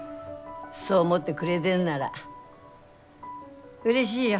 そう思ってくれでんならうれしいよ。